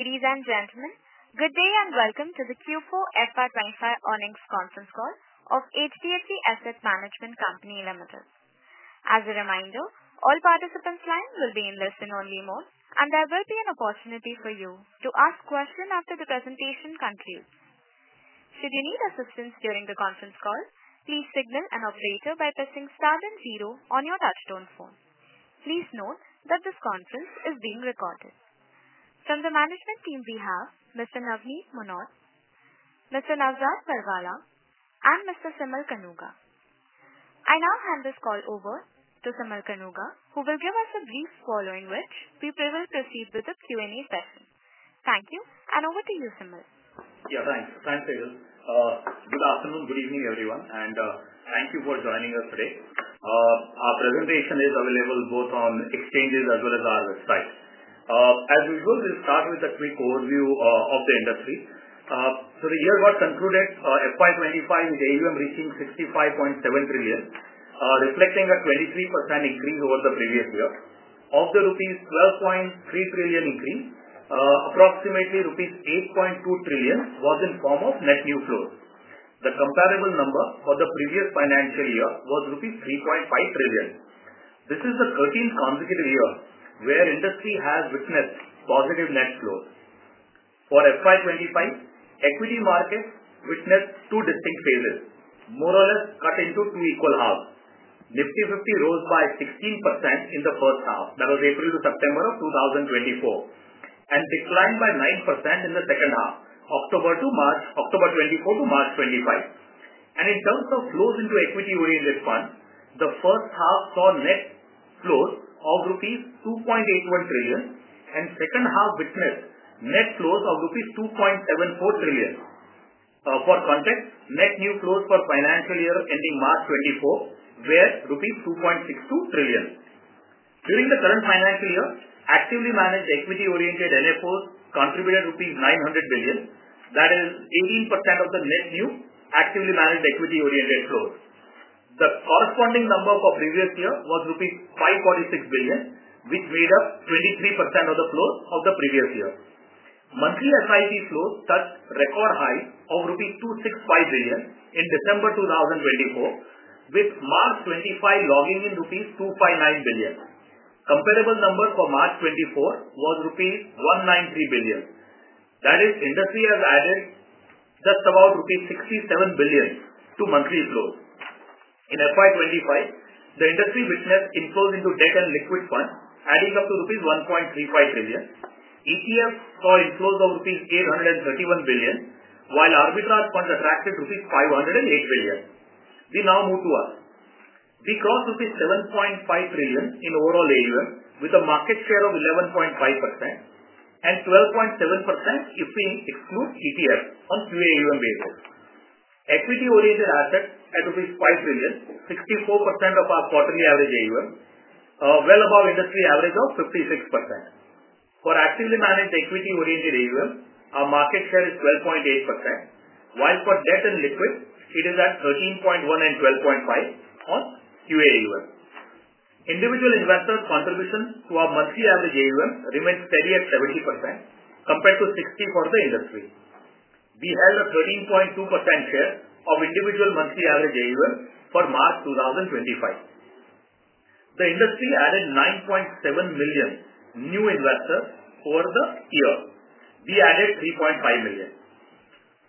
Ladies and gentlemen, good day and welcome to the Q4 FY25 earnings conference call of HDFC Asset Management Company Limited. As a reminder, all participants' lines will be in listen-only mode, and there will be an opportunity for you to ask questions after the presentation concludes. Should you need assistance during the conference call, please signal an operator by pressing star and 0 on your touchtone phone. Please note that this conference is being recorded. From the management team, we have Mr. Navneet Munot, Mr. Naozad Sirwalla, and Mr. Simal Kanuga. I now hand this call over to Simal Kanuga, who will give us a brief following, which we will proceed with the Q&A session. Thank you, and over to you, Simal. Yeah, thanks. Thanks Sejal. Good afternoon, good evening, everyone, and thank you for joining us today. Our presentation is available both on exchanges as well as our website. As usual, we'll start with a quick overview of the industry. The year-go concluded FY 2025 with AUM reaching 65.7 trillion, reflecting a 23% increase over the previous year. Of the rupees 12.3 trillion increase, approximately rupees 8.2 trillion was in the form of net new flows. The comparable number for the previous financial year was rupees 3.5 trillion. This is the 13th consecutive year where industry has witnessed positive net flows. For FY 2025, equity markets witnessed two distinct phases, more or less cut into two equal halves. Nifty 50 rose by 16% in the first half, that was April to September of 2024, and declined by 9% in the second half, October 2024 to March 2025. In terms of flows into equity-oriented funds, the first half saw net flows of rupees 2.81 trillion, and the second half witnessed net flows of rupees 2.74 trillion. For context, net new flows for financial year ending March 2024 were rupees 2.62 trillion. During the current financial year, actively managed equity-oriented NFOs contributed rupees 900 billion, that is 18% of the net new actively managed equity-oriented flows. The corresponding number for the previous year was rupees 546 billion, which made up 23% of the flows of the previous year. Monthly SIP flows touched record highs of rupees 265 billion in December 2024, with March 2025 logging in rupees 259 billion. Comparable number for March 2024 was rupees 193 billion. That is, industry has added just about rupees 67 billion to monthly flows. In FY25, the industry witnessed inflows into debt and liquid funds, adding up to INR 1.35 trillion. ETFs saw inflows of 831 billion, while arbitrage funds attracted rupees 508 billion. We now move to us. We crossed rupees 7.5 trillion in overall AUM, with a market share of 11.5% and 12.7% if we exclude ETFs on QA AUM basis. Equity-oriented assets at rupees 5 trillion, 64% of our quarterly average AUM, well above industry average of 56%. For actively managed equity-oriented AUM, our market share is 12.8%, while for debt and liquid, it is at 13.1% and 12.5% on QA AUM. Individual investors' contribution to our monthly average AUM remains steady at 70%, compared to 60% for the industry. We held a 13.2% share of individual monthly average AUM for March 2025. The industry added 9.7 million new investors over the year. We added 3.5 million.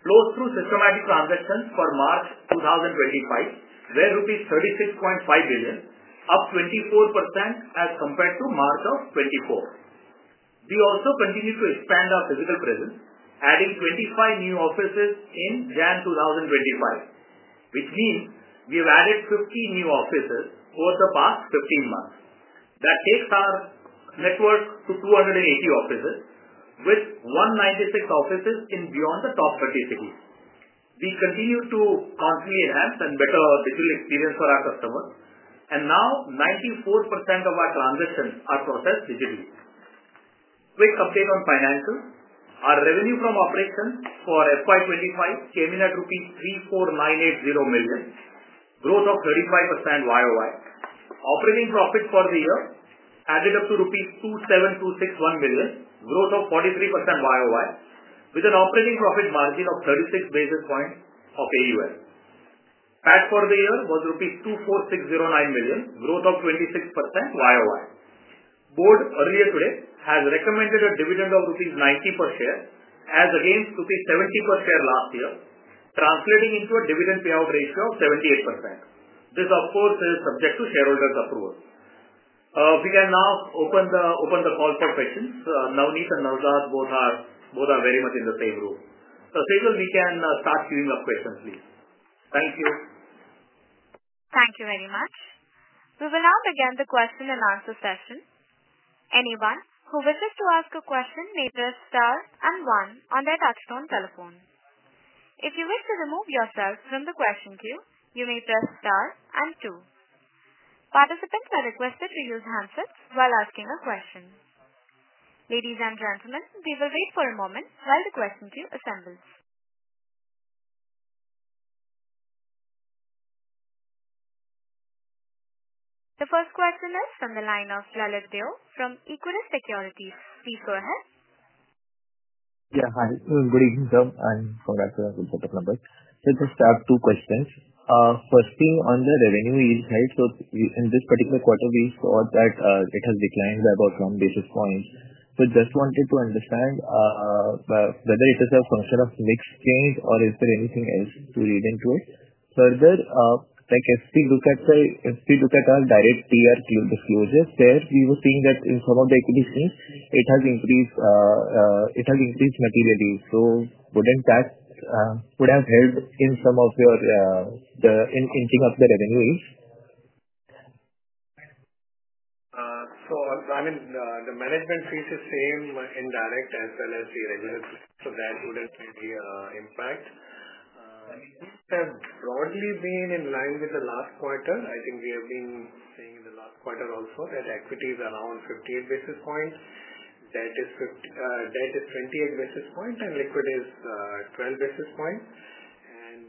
Flows through systematic transactions for March 2025 were rupees 36.5 billion, up 24% as compared to March of 2024. We also continued to expand our physical presence, adding 25 new offices in January 2025, which means we have added 50 new offices over the past 15 months. That takes our network to 280 offices, with 196 offices in beyond the top 30 cities. We continue to constantly enhance and better our digital experience for our customers, and now 94% of our transactions are processed digitally. Quick update on financials. Our revenue from operations for FY 2025 came in at 34,980 million rupees, growth of 35% YOY. Operating profit for the year added up to rupees 27,261 million, growth of 43% YOY, with an operating profit margin of 36 basis points of AUM. PAT for the year was rupees 24,609 million, growth of 26% YOY. Board earlier today has recommended a dividend of rupees 90 per share, as against rupees 70 per share last year, translating into a dividend payout ratio of 78%. This, of course, is subject to shareholders' approval. We can now open the call for questions. Navneet and Naozad, both are very much in the same room. Sejal, we can start queuing up questions, please. Thank you. Thank you very much. We will now begin the question and answer session. Anyone who wishes to ask a question may press star and one on their touchtone telephone. If you wish to remove yourself from the question queue, you may press star and two. Participants are requested to use handsets while asking a question. Ladies and gentlemen, we will wait for a moment while the question queue assembles. The first question is from the line of Lalit Deo from Equirus Securities. Please go ahead. Yeah, hi. Good evening, sir. I'm for Equirus Securities. Just two questions. First thing, on the revenue yield side, in this particular quarter, we saw that it has declined by about one basis point. Just wanted to understand whether it is a function of mixed gains or is there anything else to read into it? Further, if we look at the direct TER disclosure, there we were seeing that in some of the equity schemes, it has increased materially. Wouldn't that have helped in some of the inching of the revenue yield? I mean, the management fees are the same in direct as well as the regular fees, so that would not really impact. We have broadly been in line with the last quarter. I think we have been saying in the last quarter also that equity is around 58 basis points, debt is 28 basis points, and liquid is 12 basis points.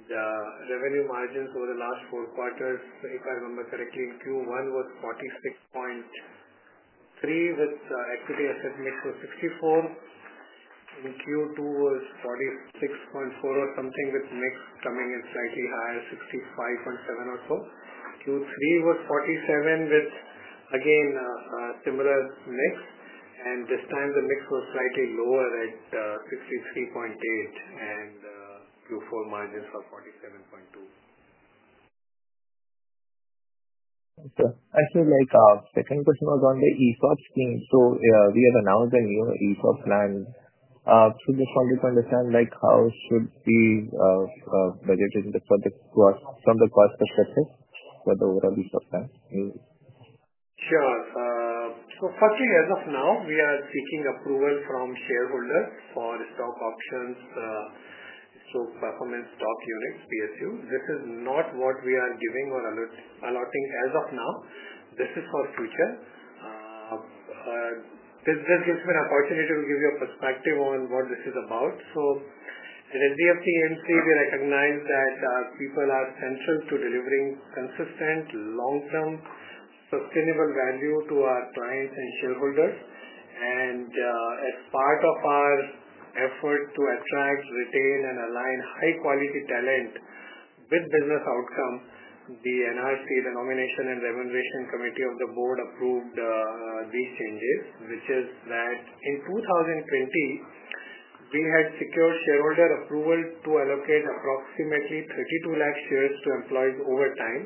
Revenue margins over the last four quarters, if I remember correctly, in Q1 was 46.3 with equity asset mix of 64. In Q2 was 46.4 or something with mix coming in slightly higher, 65.7 or so. Q3 was 47 with, again, similar mix. This time, the mix was slightly lower at 63.8, and Q4 margins were 47.2. Sir, actually, second question was on the ESOP scheme. We have announced a new ESOP plan. Just wanted to understand how should we budget it from the cost perspective for the overall ESOP plan? Sure. Firstly, as of now, we are seeking approval from shareholders for stock options, stock performance, stock units, PSUs. This is not what we are giving or allotting as of now. This is for future. This gives me an opportunity to give you a perspective on what this is about. At HDFC AMC, we recognize that our people are central to delivering consistent, long-term, sustainable value to our clients and shareholders. As part of our effort to attract, retain, and align high-quality talent with business outcome, the NRC, the Nomination and Remuneration Committee of the Board, approved these changes, which is that in 2020, we had secured shareholder approval to allocate approximately 32 lakh shares to employees over time.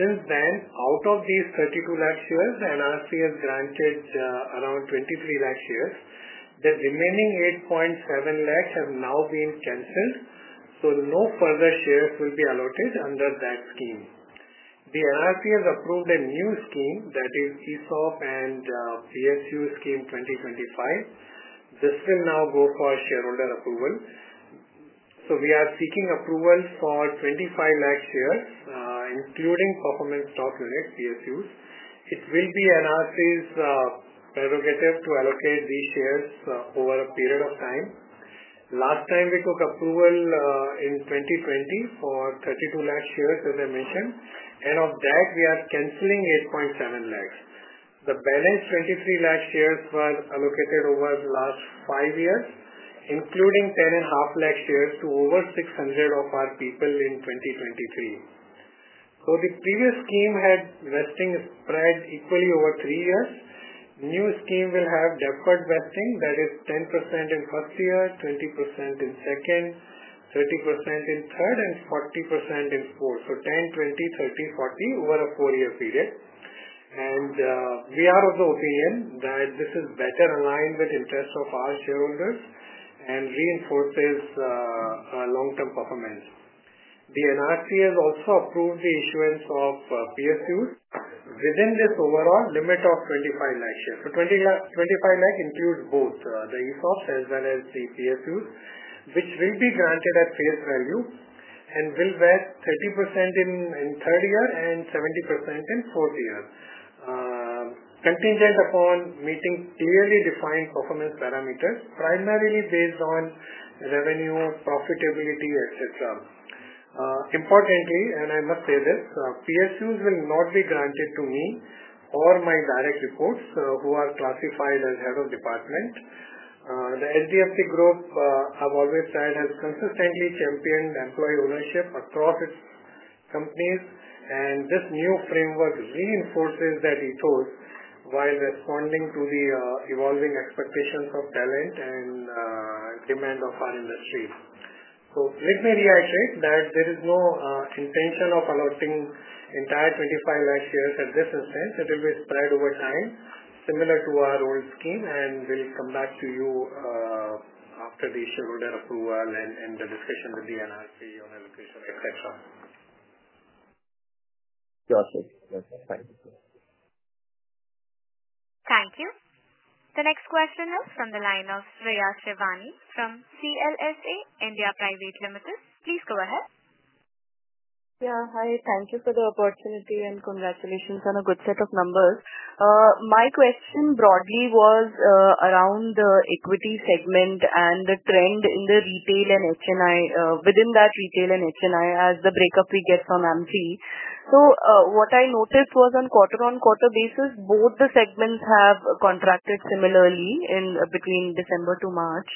Since then, out of these 32 lakh shares, NRC has granted around 23 lakh shares. The remaining 8.7 lakh have now been canceled, so no further shares will be allotted under that scheme. The NRC has approved a new scheme that is ESOP & PSU Scheme - 2025. This will now go for shareholder approval. We are seeking approval for 25 lakh shares, including Performance Stock Units, PSUs. It will be NRC's prerogative to allocate these shares over a period of time. Last time, we took approval in 2020 for 32 lakh shares, as I mentioned. Of that, we are canceling 8.7 lakh. The balance 23 lakh shares were allocated over the last five years, including 10.5 lakh shares to over 600 of our people in 2023. The previous scheme had vesting spread equally over three years. The new scheme will have deferred vesting, that is 10% in the first year, 20% in the second, 30% in the third, and 40% in the fourth. 10, 20, 30, 40 over a four-year period. We are of the opinion that this is better aligned with the interests of our shareholders and reinforces long-term performance. The NRC has also approved the issuance of PSUs within this overall limit of 25 lakh shares. 25 lakh includes both the ESOPs as well as the PSUs, which will be granted at face value and will vest 30% in the third year and 70% in the fourth year, contingent upon meeting clearly defined performance parameters, primarily based on revenue, profitability, etc. Importantly, and I must say this, PSUs will not be granted to me or my direct reports who are classified as head of department. The HDFC Group, I have always said, has consistently championed employee ownership across its companies, and this new framework reinforces that ethos while responding to the evolving expectations of talent and demand of our industry. Let me reiterate that there is no intention of allotting entire 25 lakh shares at this instance. It will be spread over time, similar to our old scheme, and we'll come back to you after the shareholder approval and the discussion with the NRC on allocation, etc. Gotcha. Thank you. Thank you. The next question is from the line of Shreya Shivani from CLSA India Private Limited. Please go ahead. Yeah, hi. Thank you for the opportunity and congratulations on a good set of numbers. My question broadly was around the equity segment and the trend in the retail and HNI, within that retail and HNI, as the breakup we get from MC. What I noticed was on a quarter-on-quarter basis, both the segments have contracted similarly between December to March.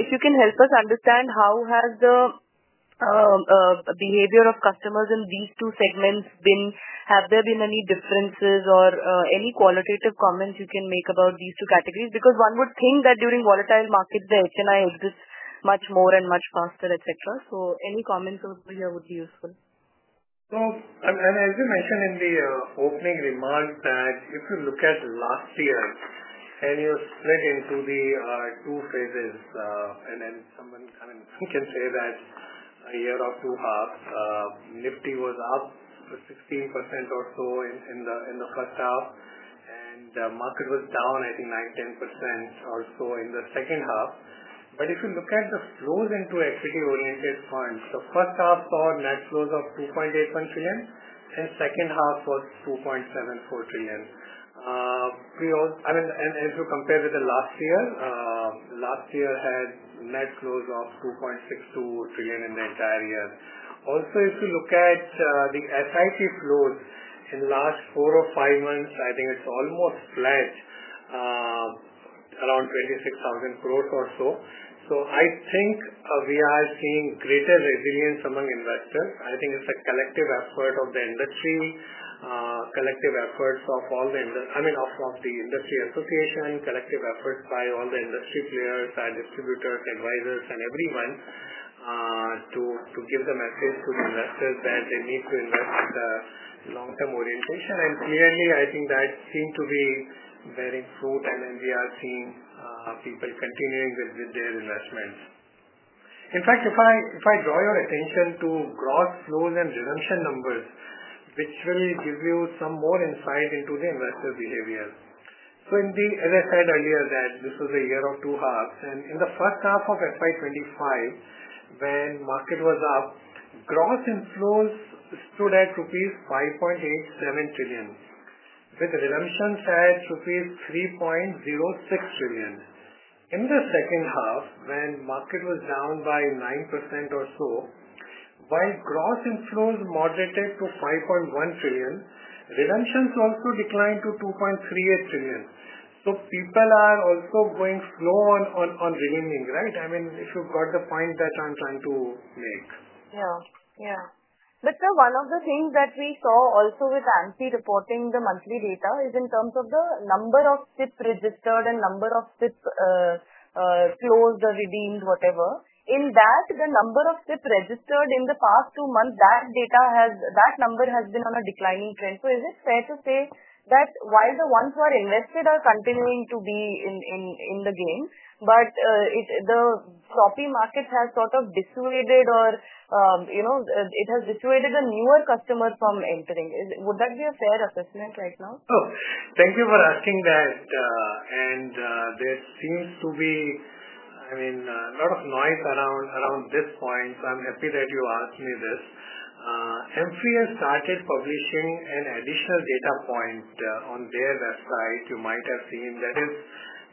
If you can help us understand, how has the behavior of customers in these two segments been? Have there been any differences or any qualitative comments you can make about these two categories? Because one would think that during volatile markets, the HNI exits much more and much faster, etc. Any comments over here would be useful. As we mentioned in the opening remarks, if you look at last year and you split into the two phases, and then someone can say that a year or two halves, Nifty was up 16% or so in the first half, and the market was down, I think, 9-10% or so in the second half. If you look at the flows into equity-oriented funds, the first half saw net flows of 2.81 trillion, and the second half was 2.74 trillion. I mean, if you compare with last year, last year had net flows of 2.62 trillion in the entire year. Also, if you look at the SIP flows in the last four or five months, I think it's almost flat, around 26,000 crore or so. I think we are seeing greater resilience among investors. I think it's a collective effort of the industry, collective efforts of all the, I mean, of the industry association, collective efforts by all the industry players, our distributors, advisors, and everyone to give the message to the investors that they need to invest with a long-term orientation. Clearly, I think that seemed to be bearing fruit, and we are seeing people continuing with their investments. In fact, if I draw your attention to gross flows and redemption numbers, which will give you some more insight into the investor behavior. As I said earlier, this was a year of two halves. In the first half of FY 2025, when market was up, gross inflows stood at rupees 5.87 trillion, with redemptions at rupees 3.06 trillion. In the second half, when market was down by 9% or so, while gross inflows moderated to 5.1 trillion, redemptions also declined to 2.38 trillion. People are also going slow on redeeming, right? I mean, if you've got the point that I'm trying to make. Yeah. Yeah. But sir, one of the things that we saw also with AMFI reporting the monthly data is in terms of the number of SIP registered and number of SIP closed or redeemed, whatever. In that, the number of SIP registered in the past two months, that number has been on a declining trend. So is it fair to say that while the ones who are invested are continuing to be in the game, but the choppy market has sort of dissuaded or it has dissuaded the newer customers from entering? Would that be a fair assessment right now? Sure. Thank you for asking that. There seems to be, I mean, a lot of noise around this point, so I'm happy that you asked me this. AMFI has started publishing an additional data point on their website. You might have seen that is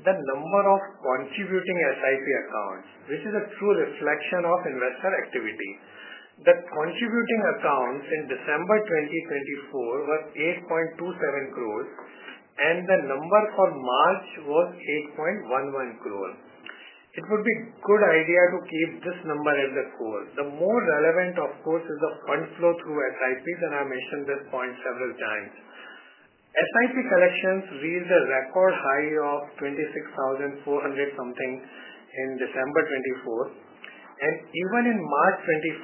the number of contributing SIP accounts, which is a true reflection of investor activity. The contributing accounts in December 2024 were 8.27 crore, and the number for March was 8.11 crore. It would be a good idea to keep this number at the core. The more relevant, of course, is the fund flow through SIP, and I mentioned this point several times. SIP collections reached a record high of 26,400 crore in December 2024. Even in March 2025,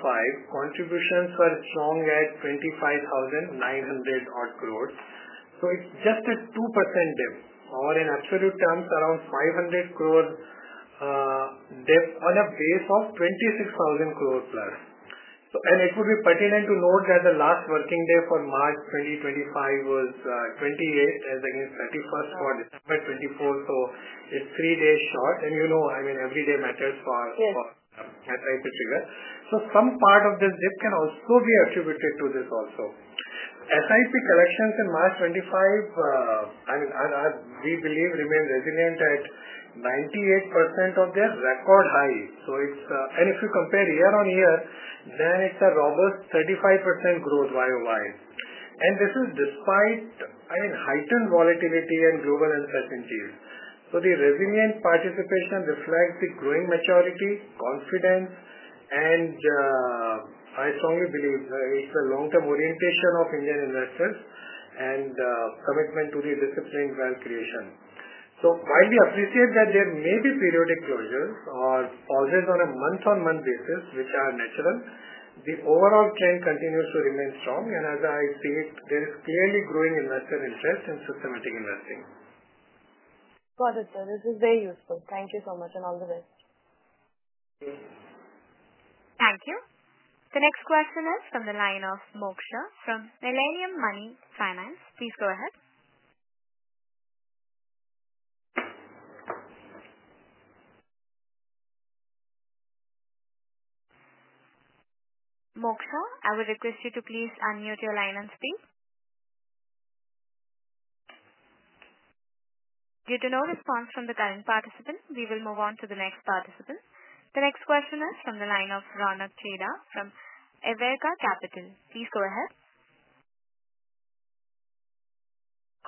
contributions were strong at 25,900 crore. It is just a 2% dip, or in absolute terms, around 500 crore dip on a base of 26,000 crore plus. It would be pertinent to note that the last working day for March 2025 was 28th, as against 31st for December 2024, so it is three days short. You know, I mean, every day matters for SIP trigger. Some part of this dip can also be attributed to this also. SIP collections in March 2025, I mean, we believe remain resilient at 98% of their record high. If you compare year on year, then it is a robust 35% growth YOY. This is despite, I mean, heightened volatility and global uncertainties. The resilient participation reflects the growing maturity, confidence, and I strongly believe it is a long-term orientation of Indian investors and commitment to the disciplined wealth creation. While we appreciate that there may be periodic closures or pauses on a month-on-month basis, which are natural, the overall trend continues to remain strong. As I see it, there is clearly growing investor interest in systematic investing. Got it, sir. This is very useful. Thank you so much and all the best. Thank you. The next question is from the line of Moksha from Millennium Money Finance. Please go ahead. Moksha, I would request you to please unmute your line and speak. Due to no response from the current participant, we will move on to the next participant. The next question is from the line of Ronak Chheda from Awriga Capital. Please go ahead.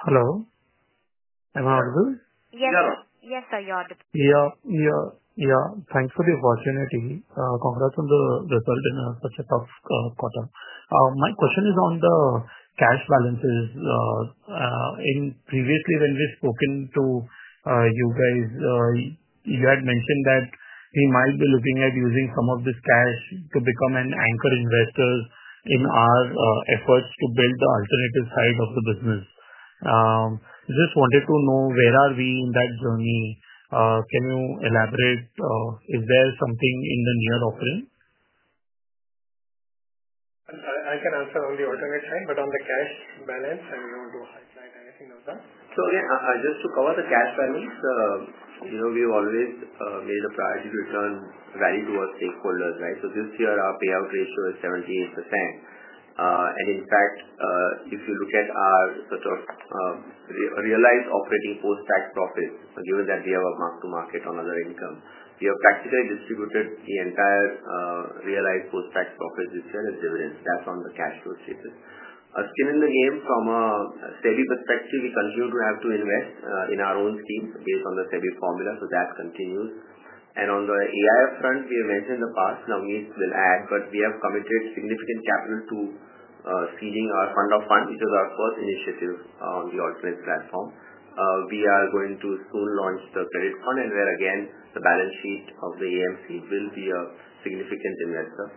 Hello. Am I audible? Yes. Yeah. Yes, sir, you're audible. Yeah. Yeah. Yeah. Thanks for the opportunity. Congrats on the result in such a tough quarter. My question is on the cash balances. Previously, when we've spoken to you guys, you had mentioned that we might be looking at using some of this cash to become an anchor investor in our efforts to build the alternative side of the business. Just wanted to know where are we in that journey? Can you elaborate? Is there something in the near offering? I can answer on the alternate side, but on the cash balance, I do not know if you want to highlight anything on that. Just to cover the cash balance, we've always made a priority to return value to our stakeholders, right? This year, our payout ratio is 78%. In fact, if you look at our sort of realized operating post-tax profits, given that we have a mark-to-market on other income, we have practically distributed the entire realized post-tax profits this year as dividends. That is on the cash flow status. A skin in the game from a SEBI perspective, we continue to have to invest in our own scheme based on the SEBI formula, so that continues. On the AIF front, we have mentioned in the past, Navneet will add, but we have committed significant capital to seeding our Fund of Funds, which is our first initiative on the alternate platform. We are going to soon launch the credit fund, and where again, the balance sheet of the AMC will be a significant investor.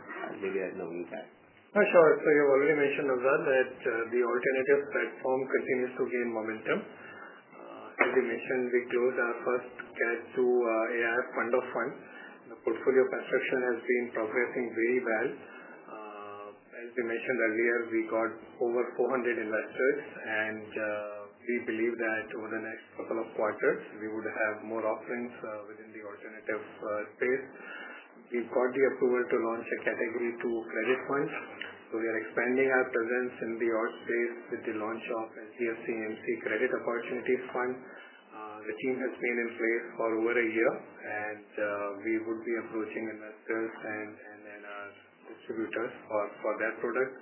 Maybe I have no recap. No, sure. You have already mentioned as well that the alternative platform continues to gain momentum. As you mentioned, we closed our first Category II AIF Fund of Funds. The portfolio construction has been progressing very well. As we mentioned earlier, we got over 400 investors, and we believe that over the next couple of quarters, we would have more offerings within the alternative space. We have got the approval to launch a Category II Credit Fund. We are expanding our presence in the alt space with the launch of HDFC AMC Credit Opportunities Fund. The team has been in place for over a year, and we would be approaching investors and then distributors for that product.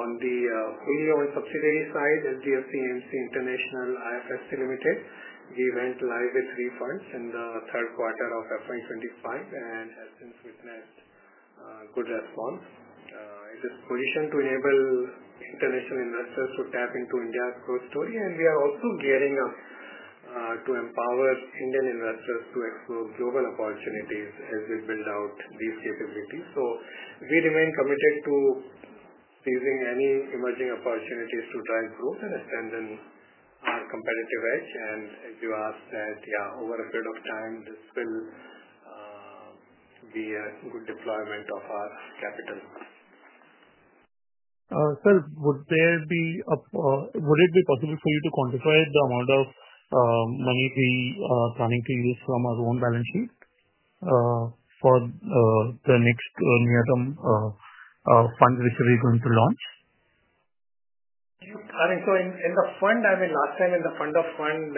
On the wholly owned subsidiary side, HDFC AMC International IFSC Limited, we went live with three funds in the third quarter of FY 2025 and have since witnessed good response. It is positioned to enable international investors to tap into India's growth story, and we are also gearing up to empower Indian investors to explore global opportunities as we build out these capabilities. We remain committed to seizing any emerging opportunities to drive growth and extend our competitive edge. As you asked that, yeah, over a period of time, this will be a good deployment of our capital. Sir, would it be possible for you to quantify the amount of money we are planning to use from our own balance sheet for the next near-term fund which we're going to launch? I mean, in the fund, I mean, last time in the Fund of Funds,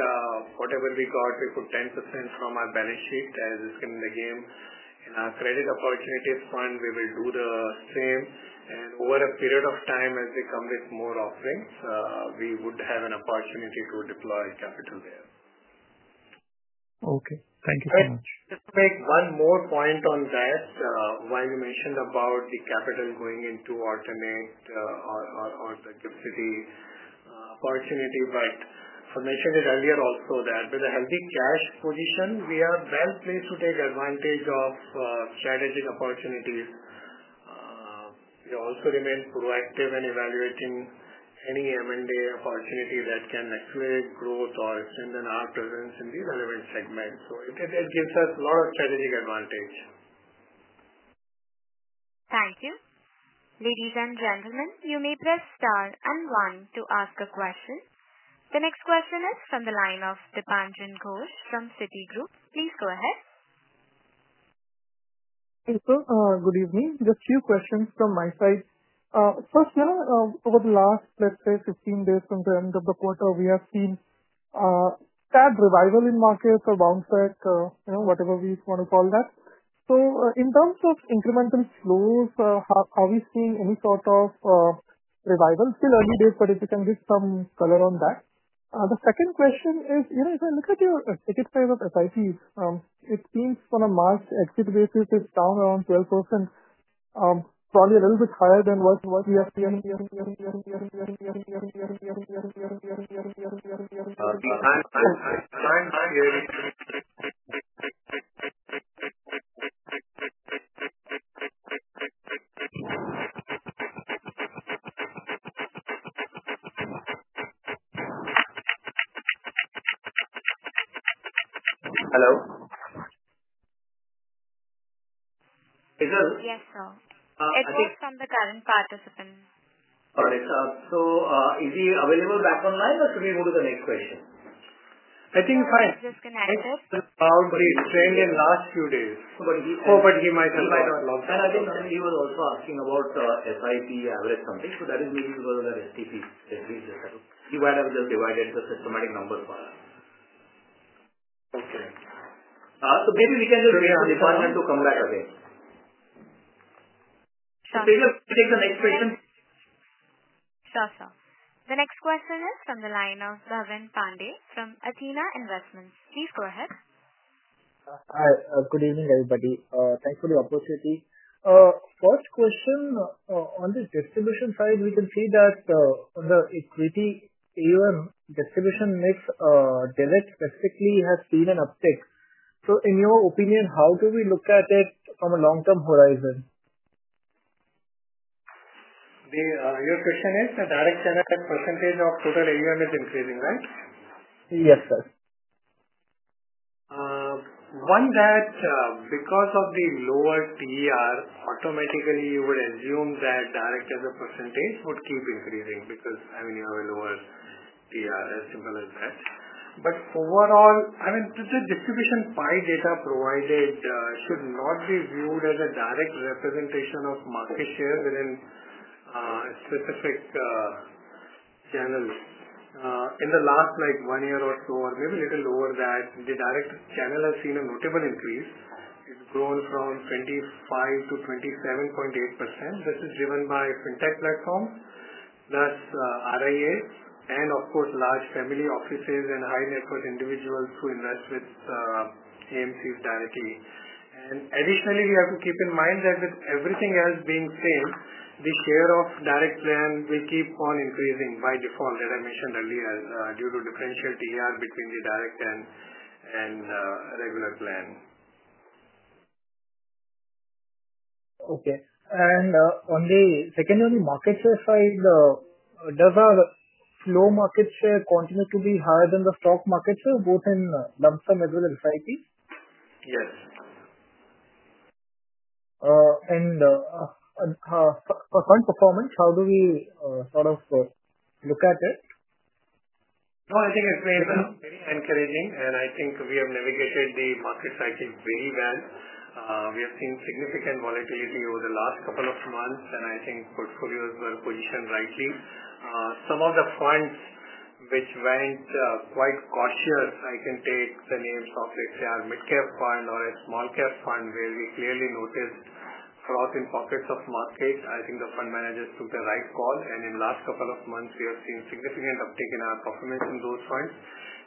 whatever we got, we put 10% from our balance sheet as it's in the game. In our Credit Opportunities Fund, we will do the same. Over a period of time, as we come with more offerings, we would have an opportunity to deploy capital there. Okay. Thank you so much. Just to make one more point on that, while you mentioned about the capital going into alternate or the GIFT City opportunity, I mentioned it earlier also that with a healthy cash position, we are well placed to take advantage of strategic opportunities. We also remain proactive in evaluating any M&A opportunity that can accelerate growth or extend our presence in the relevant segment. It gives us a lot of strategic advantage. Thank you. Ladies and gentlemen, you may press star and one to ask a question. The next question is from the line of Dipanjan Ghosh from Citigroup. Please go ahead. Thank you. Good evening. Just a few questions from my side. First, you know, over the last, let's say, 15 days from the end of the quarter, we have seen fab revival in markets or bounce back, whatever we want to call that. In terms of incremental flows, are we seeing any sort of revival? Still early days, but if you can give some color on that. The second question is, you know, if I look at your ticket size of SIPs, it seems from a March exit basis, it's down around 12%, probably a little bit higher than what we have seen. Hello? Is it? Yes, sir. It was from the current participants. All right. Is he available back online, or should we move to the next question? I think he's fine. I think he's just connected. He's been out, but he's trained in the last few days. Oh, he might have logged in. I think he was also asking about SIP average something. That is maybe because of that STP decrease just a little. He might have just divided the systematic numbers for us. Okay. Maybe we can just wait for the Dipanjan to come back again. Sure. Take the next question. Sure, sir. The next question is from the line of Bhavin Pande from Athena Investments. Please go ahead. Hi. Good evening, everybody. Thanks for the opportunity. First question, on the distribution side, we can see that on the equity AUM distribution mix direct specifically has seen an uptick. In your opinion, how do we look at it from a long-term horizon? Your question is the direct as a percentage of total AUM is increasing, right? Yes, sir. One that because of the lower TER, automatically you would assume that direct as a percentage would keep increasing because, I mean, you have a lower TER, as simple as that. Overall, I mean, the distribution pie data provided should not be viewed as a direct representation of market share within specific channels. In the last like one year or so, or maybe a little lower than that, the direct channel has seen a notable increase. It has grown from 25% to 27.8%. This is driven by fintech platforms, RIAs, and of course, large family offices and high net worth individuals who invest with AMCs directly. Additionally, we have to keep in mind that with everything else being same, the share of direct plan will keep on increasing by default, as I mentioned earlier, due to differential TER between the direct and regular plan. Okay. On the secondary market share side, does our flow market share continue to be higher than the stock market share, both in lump sum as well as SIPs? Yes. For fund performance, how do we sort of look at it? No, I think it's very encouraging, and I think we have navigated the market cycle very well. We have seen significant volatility over the last couple of months, and I think portfolios were positioned rightly. Some of the funds which went quite cautious, I can take the names of, let's say, our Mid Cap fund or a Small Cap fund, where we clearly noticed froth in pockets of market. I think the fund managers took the right call. In the last couple of months, we have seen significant uptake in our performance in those funds.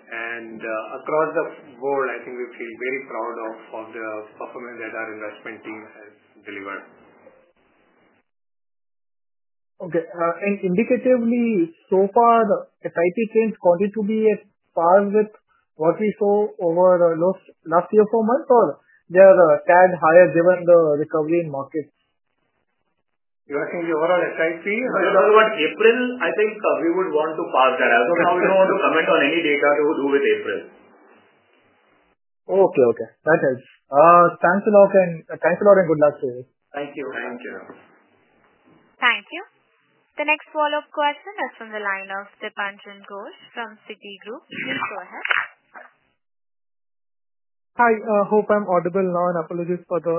Across the board, I think we feel very proud of the performance that our investment team has delivered. Okay. Indicatively, so far, SIP gains continue to be at par with what we saw over the last year or four months, or they are tied higher given the recovery in markets? You're asking the overall SIP? No, it was about April. I think we would want to par that. I don't know. We don't want to comment on any data to do with April. Okay. Okay. That helps. Thanks a lot, and good luck to you. Thank you. Thank you. Thank you. The next follow-up question is from the line of Dipanjan Ghosh from Citigroup. Please go ahead. Hi. I hope I'm audible now, and apologies for the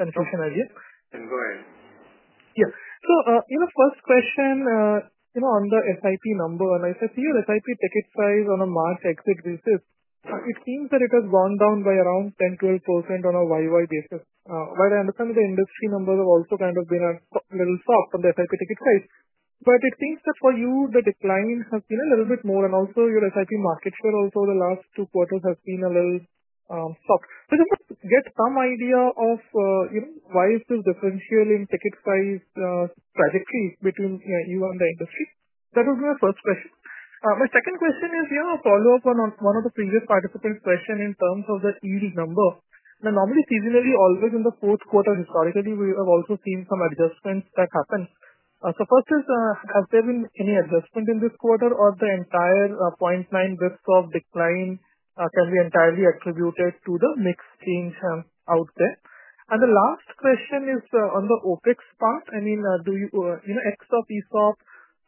confusion earlier. Yes. Go ahead. Yeah. First question, on the SIP number, and I said to you, SIP ticket size on a March exit basis, it seems that it has gone down by around 10-12% on a year-over-year basis. What I understand is the industry numbers have also kind of been a little soft on the SIP ticket size. It seems that for you, the decline has been a little bit more, and also your SIP market share also over the last two quarters has been a little soft. Just to get some idea of why is this differential in ticket size trajectory between you and the industry? That would be my first question. My second question is a follow-up on one of the previous participants' questions in terms of the yield number. Normally, seasonally, always in the fourth quarter, historically, we have also seen some adjustments that happen. First, has there been any adjustment in this quarter, or the entire 0.9 basis points of decline can be entirely attributed to the mix change out there? The last question is on the OPEX part. I mean, do you exclude ESOP,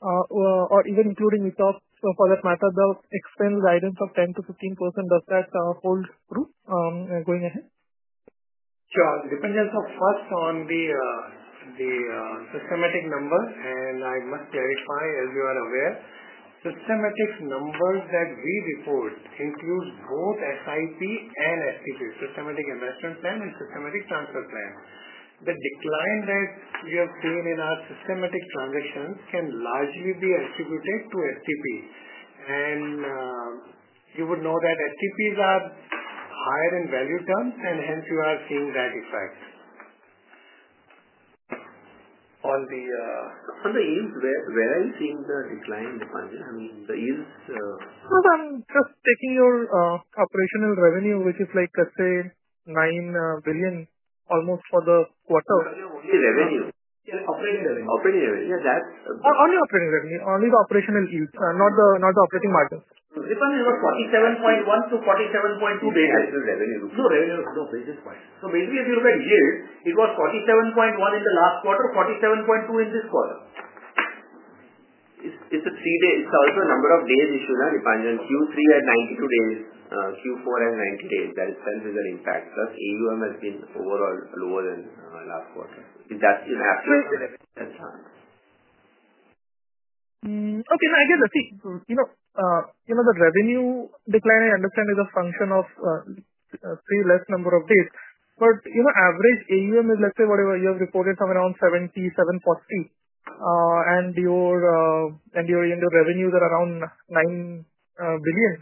or even including ESOP, for that matter, the expense guidance of 10-15%, does that hold true going ahead? Sure. It depends on the systematic number, and I must clarify, as you are aware, systematic numbers that we report include both SIP and STP, Systematic Investment Plan and Systematic Transfer Plan. The decline that we have seen in our systematic transactions can largely be attributed to STP. You would know that STPs are higher in value terms, and hence you are seeing that effect. On the yields, where are you seeing the decline, Dipanjan? I mean, the yields? No, I'm just taking your operational revenue, which is like, let's say, 9 billion almost for the quarter. You're talking only revenue? Yes, operating revenue. Operating revenue. Yeah, that's. Only operating revenue. Only the operational yields, not the operating margins. Dipanjan, it was 47.1 to 47.2 basis. Basis revenue. No, revenue. No, basis point. So basically, if you look at yield, it was 47.1 in the last quarter, 47.2 in this quarter. It is a three-day. It is also a number of days issue, Dipanjan. Q3 had 92 days, Q4 had 90 days. That itself is an impact. Plus, AUM has been overall lower than last quarter. Is that in absolute revenue? That's right. Okay. No, I guess the revenue decline, I understand, is a function of a few less number of days. But average AUM is, let's say, whatever you have reported, somewhere around 77.40 billion, and your end-year revenues are around 9 billion.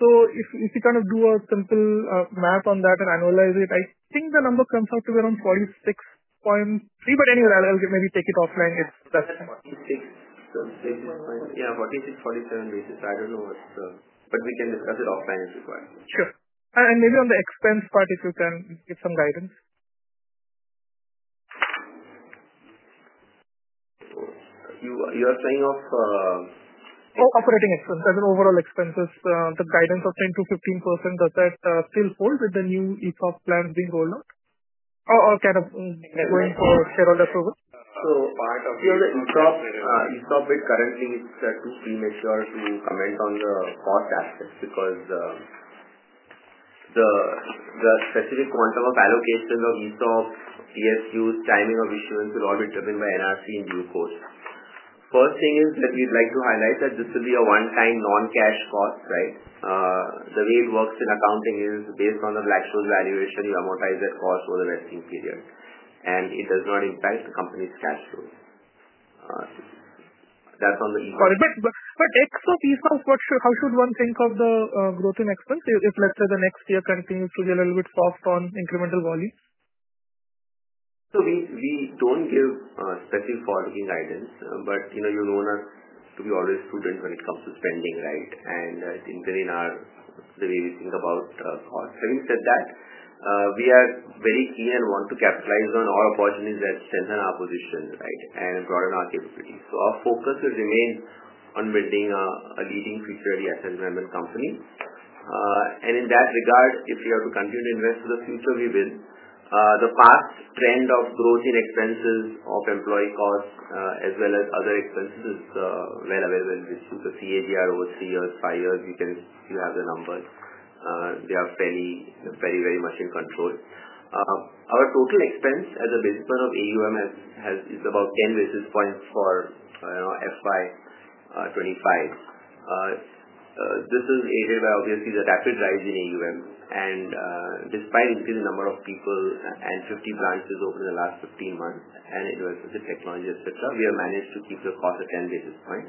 If you kind of do a simple math on that and analyze it, I think the number comes out to be around 46.3. Anyway, I'll maybe take it offline. That's 46.7. Yeah, 46.47 basis. I don't know what the—but we can discuss it offline if required. Sure. Maybe on the expense part, if you can give some guidance. You are saying of. Oh, operating expenses. As in overall expenses, the guidance of 10-15%, does that still hold with the new ESOP plans being rolled out? Or kind of going for shareholder approval? Part of the ESOP, currently, it's too premature to comment on the cost aspect because the specific quantum of allocation of ESOP, PSUs, timing of issuance will all be driven by NRC and due cost. First thing is that we'd like to highlight that this will be a one-time non-cash cost, right? The way it works in accounting is based on the Black-Scholes valuation, you amortize that cost over the vesting period, and it does not impact the company's cash flow. That's on the ESOP. Sorry. But ESOPs, how should one think of the growth in expense if, let's say, the next year continues to be a little bit soft on incremental volume? We do not give specially forward-looking guidance, but you know us to be always prudent when it comes to spending, right? It is within the way we think about cost. Having said that, we are very keen and want to capitalize on our opportunities that stand in our position, right, and broaden our capabilities. Our focus will remain on building a leading future-ready asset management company. In that regard, if we are to continue to invest for the future, we will. The past trend of growth in expenses of employee costs as well as other expenses is well available. If you look at CAGR over three years, five years, you have the numbers. They are very, very much in control. Our total expense as a basis point of AUM is about 10 basis points for FY 2025. This is aided by, obviously, the rapid rise in AUM. Despite increasing the number of people and 50 branches over the last 15 months and investment in technology, etc., we have managed to keep the cost at 10 basis points.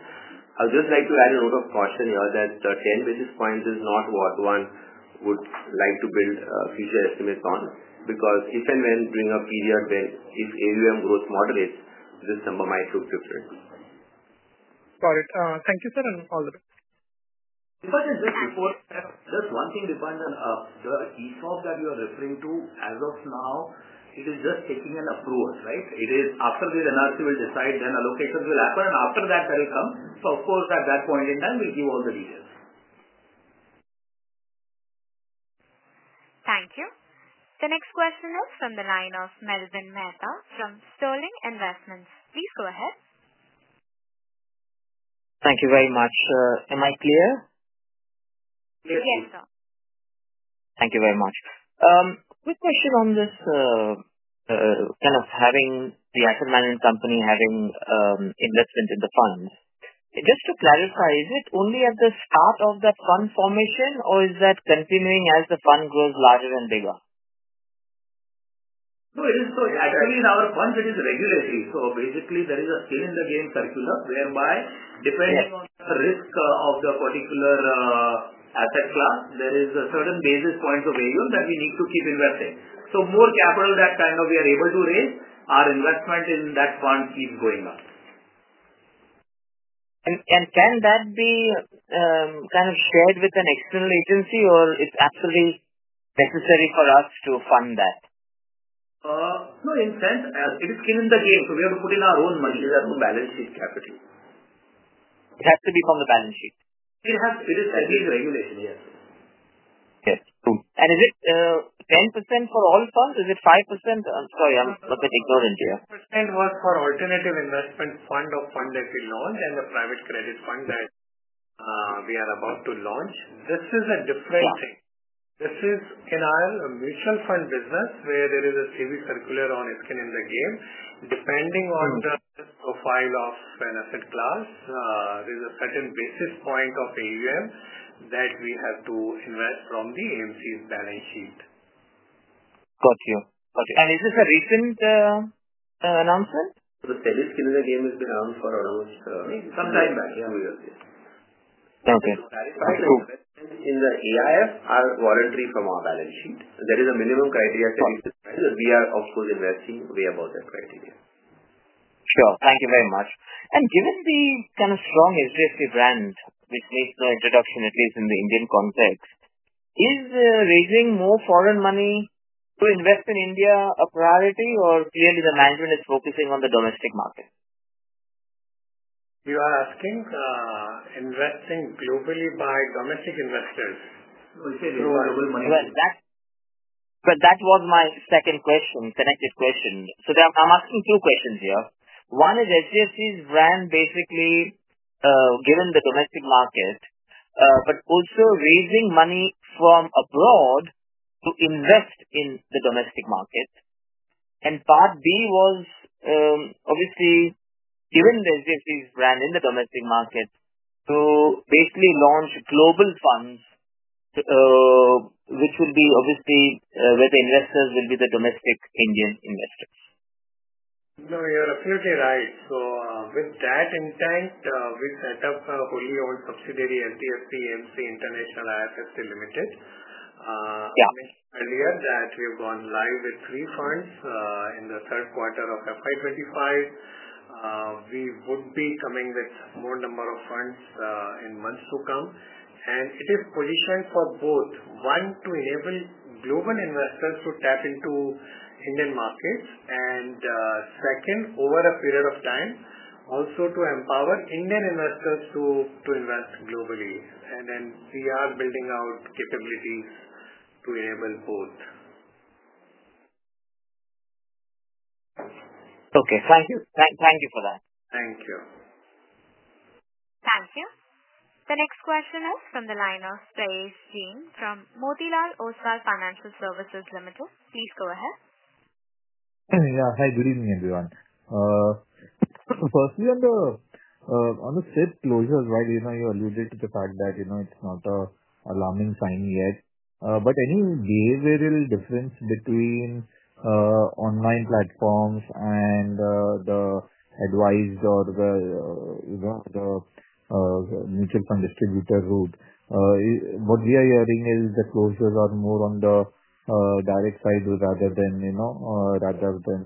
I would just like to add a note of caution here that 10 basis points is not what one would like to build future estimates on because if and when during a period when if AUM growth moderates, this number might look different. Got it. Thank you, sir, and all the best. Before I just report, just one thing, Dipanjan. The ESOP that you are referring to, as of now, it is just taking an approval, right? It is after the NRC will decide, then allocations will happen, and after that, that will come. Of course, at that point in time, we'll give all the details. Thank you. The next question is from the line of Melwin Mehta from Sterling Investments. Please go ahead. Thank you very much. Am I clear? Yes, sir. Thank you very much. Quick question on this kind of having the asset management company having investment in the fund. Just to clarify, is it only at the start of that fund formation, or is that continuing as the fund grows larger and bigger? No, it is. Actually, in our funds, it is a regularity. Basically, there is a skin in the game circular whereby, depending on the risk of the particular asset class, there is a certain basis point of AUM that we need to keep investing. More capital that we are able to raise, our investment in that fund keeps going up. Can that be kind of shared with an external agency, or is it absolutely necessary for us to fund that? No, in sense, it is skin in the game. We have to put in our own money. It is our own balance sheet capital. It has to be from the balance sheet? It is at the regulation, yes. Okay. Is it 10% for all funds? Is it 5%? Sorry, I'm a bit ignorant here. 5% was for Alternative investment Fund of Funds that we launched and the Private Credit Fund that we are about to launch. This is a different thing. This is in our mutual fund business where there is a SEBI circular on skin in the game. Depending on the profile of an asset class, there is a certain basis point of AUM that we have to invest from the AMC's balance sheet. Got you. Got you. Is this a recent announcement? The skin in the game has been around for almost. some time back. Yeah, we were there. Okay. Investment in the AIF are voluntary from our balance sheet. There is a minimum criteria that we are of course investing way above that criteria. Thank you very much. Given the kind of strong HDFC brand, which makes no introduction, at least in the Indian context, is raising more foreign money to invest in India a priority, or clearly the management is focusing on the domestic market? You are asking investing globally by domestic investors? No, it is global money. That was my second question, connected question. I'm asking two questions here. One is HDFC's brand basically given the domestic market, but also raising money from abroad to invest in the domestic market. Part B was obviously given HDFC's brand in the domestic market to basically launch global funds, which will be obviously where the investors will be the domestic Indian investors. No, you are absolutely right. With that in mind, we set up a wholly owned subsidiary, HDFC AMC International IFSC Limited. I mentioned earlier that we have gone live with three funds in the third quarter of 2025. We would be coming with more number of funds in months to come. It is positioned for both, one, to enable global investors to tap into Indian markets, and second, over a period of time, also to empower Indian investors to invest globally. We are building out capabilities to enable both. Okay. Thank you. Thank you for that. Thank you. Thank you. The next question is from the line of Prayesh Jain from Motilal Oswal Financial Services Limited. Please go ahead. Yeah. Hi. Good evening, everyone. Firstly, on the SIP closures, right, you alluded to the fact that it's not an alarming sign yet. Any behavioral difference between online platforms and the advised or the mutual fund distributor route? What we are hearing is the closures are more on the direct side rather than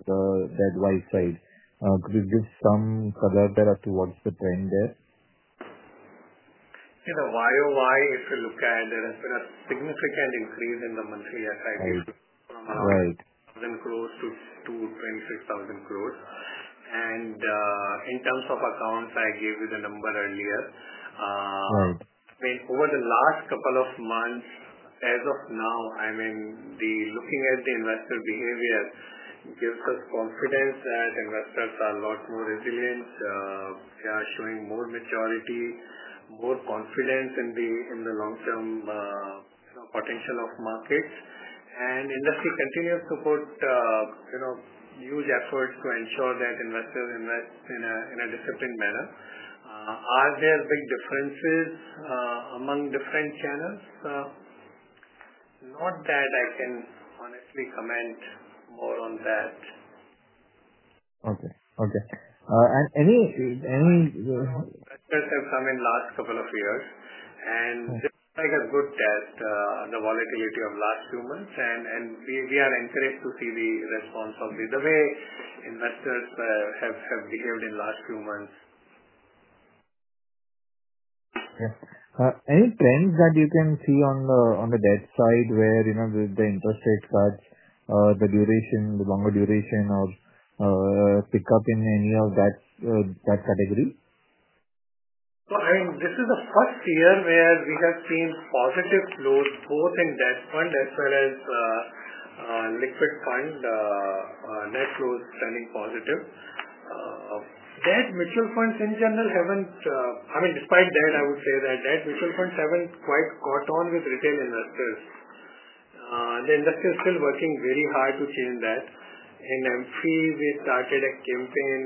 the advised side. Could you give some color there towards the trend there? In the year-over-year, if you look at it, there has been a significant increase in the monthly SIP from around 19,000 crore to INR 26,000 crore. In terms of accounts, I gave you the number earlier. I mean, over the last couple of months, as of now, I mean, looking at the investor behavior gives us confidence that investors are a lot more resilient. They are showing more maturity, more confidence in the long-term potential of markets. The industry continues to put huge efforts to ensure that investors invest in a disciplined manner. Are there big differences among different channels? Not that I can honestly comment more on that. Okay. Okay. Any. Investors have come in the last couple of years, and this is a good test, the volatility of the last few months. We are encouraged to see the response of the way investors have behaved in the last few months. Yeah. Any trends that you can see on the debt side where the interest rate cuts, the duration, the longer duration of pickup in any of that category? I mean, this is the first year where we have seen positive flows both in debt fund as well as liquid fund net flows trending positive. Debt mutual funds in general have not—I mean, despite that, I would say that debt mutual funds have not quite caught on with retail investors. The investor is still working very hard to change that. In AMFI, we started a campaign,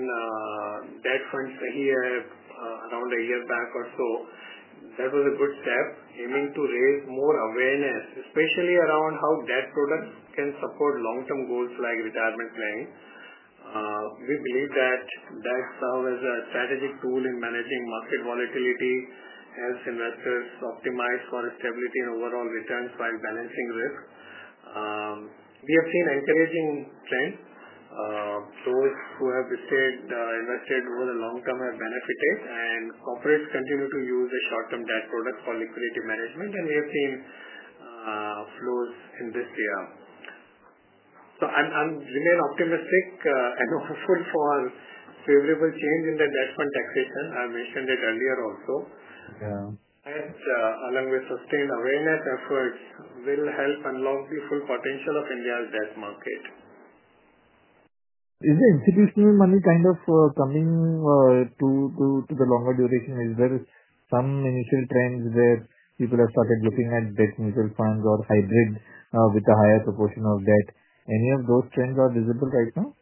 debt funds here around a year back or so. That was a good step aiming to raise more awareness, especially around how debt products can support long-term goals like retirement planning. We believe that debt serves as a strategic tool in managing market volatility, helps investors optimize for stability and overall returns while balancing risk. We have seen an encouraging trend. Those who have invested over the long term have benefited, and corporates continue to use short-term debt products for liquidity management, and we have seen flows in this year. I remain optimistic and hopeful for favorable change in the debt fund taxation. I mentioned it earlier also. Along with sustained awareness efforts, this will help unlock the full potential of India's debt market. Is the institutional money kind of coming to the longer duration? Is there some initial trends where people have started looking at debt mutual funds or hybrid with a higher proportion of debt? Any of those trends are visible right now?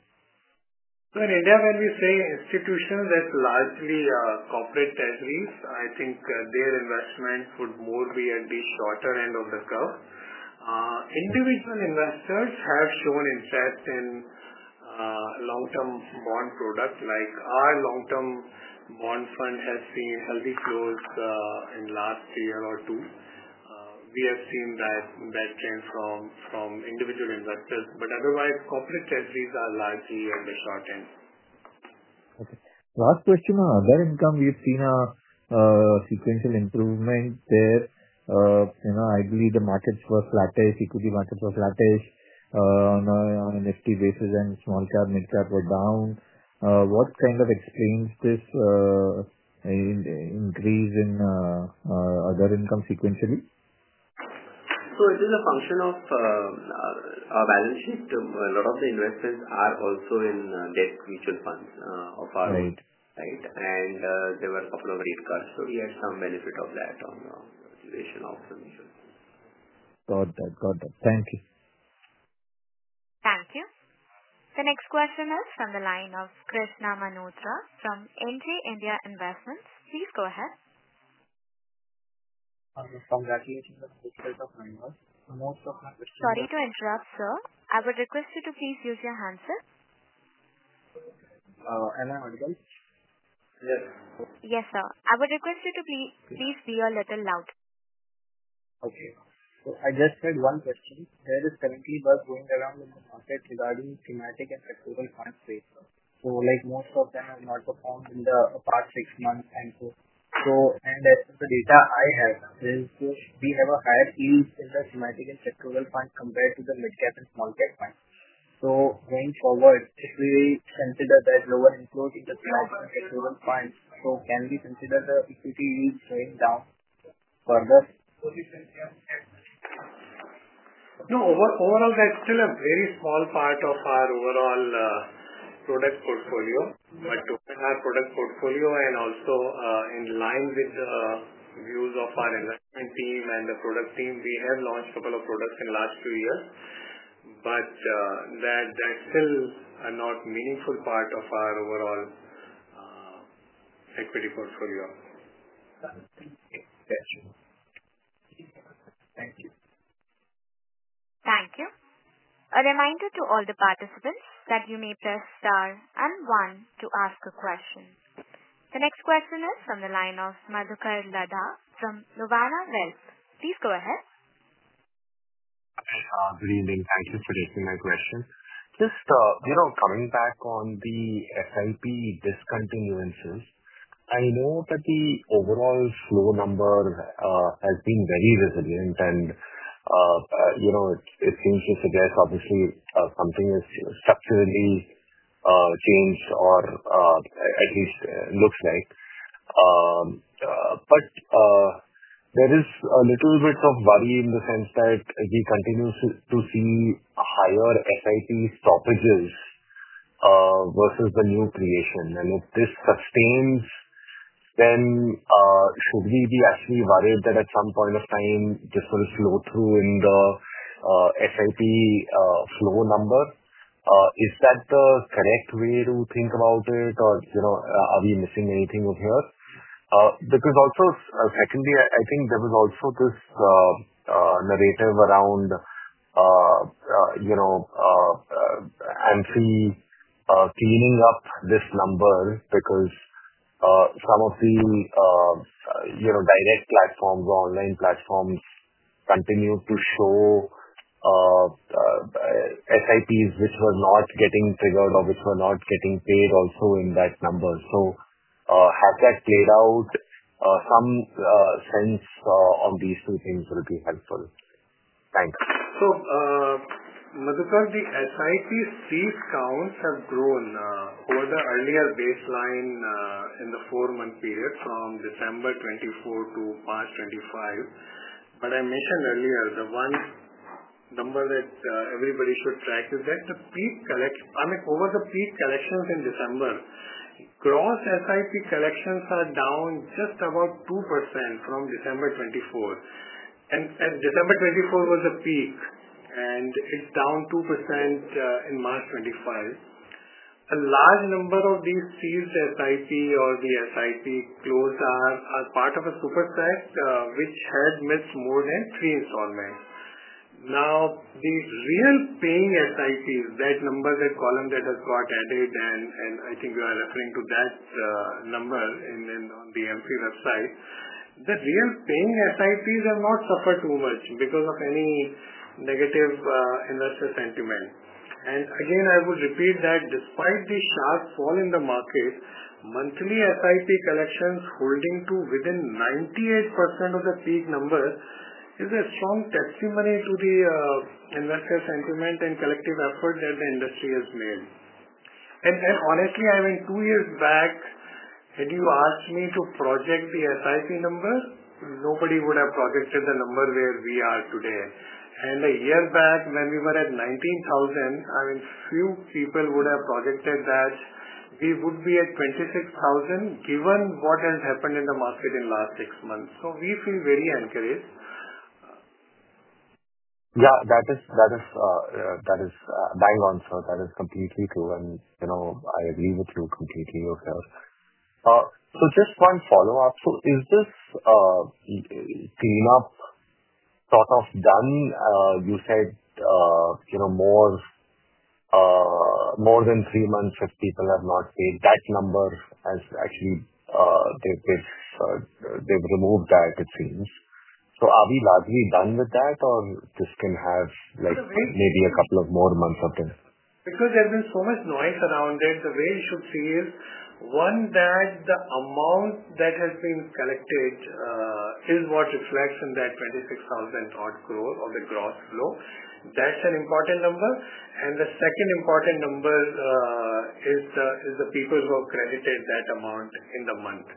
In India, when we say institutional, that's largely corporate treasuries. I think their investment would more be at the shorter end of the curve. Individual investors have shown interest in long-term bond products like our long-term bond fund has seen healthy flows in the last year or two. We have seen that trend from individual investors. Otherwise, corporate treasuries are largely on the short end. Okay. Last question. There has become—we have seen a sequential improvement there. I believe the markets were flattish. Equity markets were flattish on an FT basis, and small cap, mid cap were down. What kind of explains this increase in other income sequentially? It is a function of our balance sheet. A lot of the investments are also in debt mutual funds of our own, right? There were a couple of rate cuts, so we had some benefit of that on the duration of the mutual funds. Got that. Got that. Thank you. Thank you. The next question is from the line of Krishna Manotra from NJ India Investments. Please go ahead. I'm from the [audio distorion]. Sorry to interrupt, sir. I would request you to please use your handset. Hello, Anikant? Yes. Yes, sir. I would request you to please be a little louder. Okay. I just had one question. There is currently buzz going around in the market regarding thematic and sectoral fund rates. Most of them have not performed in the past six months or so. The data I have is we have a higher yield in the thematic and sectoral fund compared to the Mid Cap and Small Cap fund. Going forward, if we consider that lower inflow to the thematic and sectoral fund, can we consider the equity yields going down further? No, overall, that's still a very small part of our overall product portfolio. Our product portfolio, and also in line with the views of our investment team and the product team, we have launched a couple of products in the last few years. That's still a not meaningful part of our overall equity portfolio. Thank you. Thank you. A reminder to all the participants that you may press star and one to ask a question. The next question is from the line of Madhukar Ladha from Nuvama Wealth. Please go ahead. Hi. Good evening. Thank you for taking my question. Just coming back on the SIP discontinuances, I know that the overall flow number has been very resilient, and it seems to suggest obviously something has structurally changed or at least looks like. There is a little bit of worry in the sense that we continue to see higher SIP stoppages versus the new creation. If this sustains, then should we be actually worried that at some point of time, this will flow through in the SIP flow number? Is that the correct way to think about it, or are we missing anything of here? Also, secondly, I think there was also this narrative around AMFI cleaning up this number because some of the direct platforms or online platforms continue to show SIPs which were not getting triggered or which were not getting paid also in that number. Has that played out? Some sense on these two things will be helpful. Thanks. Madhukar, the SIP seed counts have grown over the earlier baseline in the four-month period from December 2024 to March 2025. I mentioned earlier, the one number that everybody should track is that the peak collection—I mean, over the peak collections in December, gross SIP collections are down just about 2% from December 2024. December 2024 was a peak, and it is down 2% in March 2025. A large number of these ceased SIP or the SIP close are part of a super set, which had missed more than three installments. Now, the real paying SIPs, that number, that column that has got added, and I think you are referring to that number on the AMFI website, the real paying SIPs have not suffered too much because of any negative investor sentiment. I would repeat that despite the sharp fall in the market, monthly SIP collections holding to within 98% of the peak number is a strong testimony to the investor sentiment and collective effort that the industry has made. Honestly, I mean, two years back, had you asked me to project the SIP number, nobody would have projected the number where we are today. A year back, when we were at 19,000 crore, I mean, few people would have projected that we would be at 26,000 crore given what has happened in the market in the last six months. We feel very encouraged. Yeah. That is bang on, sir. That is completely true. I agree with you completely yourself. Just one follow-up. Is this cleanup sort of done? You said more than three months if people have not paid. That number has actually—they have removed that, it seems. Are we largely done with that, or can this have maybe a couple more months of it? Because there's been so much noise around it, the way you should see is, one, that the amount that has been collected is what reflects in that 26,000 crore or the gross flow. That's an important number. The second important number is the people who have credited that amount in the month.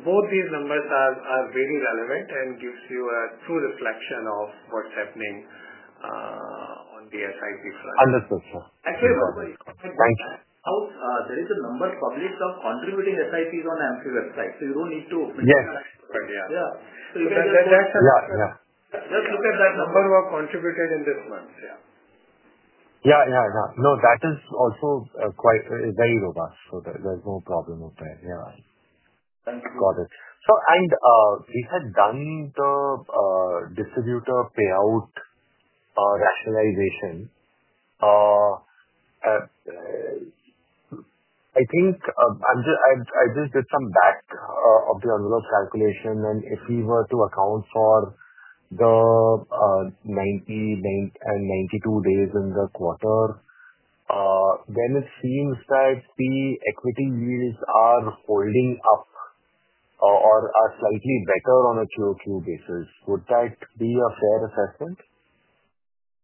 Both these numbers are very relevant and give you a true reflection of what's happening on the SIP front. Understood, sir. Actually, there is a number published of contributing SIPs on the AMFI website. You do not need to. Yeah. You can just look at that number who have contributed in this month. Yeah. Yeah. Yeah. No, that is also very robust. There is no problem with that. Yeah. Thank you. Got it. We had done the distributor payout rationalization. I think I just did some back of the envelope calculation. If we were to account for the 90 and 92 days in the quarter, then it seems that the equity yields are holding up or are slightly better on a QoQ basis. Would that be a fair assessment?